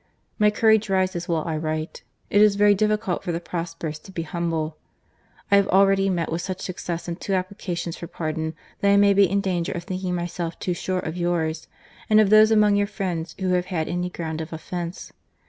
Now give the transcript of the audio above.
My courage rises while I write. It is very difficult for the prosperous to be humble. I have already met with such success in two applications for pardon, that I may be in danger of thinking myself too sure of yours, and of those among your friends who have had any ground of offence.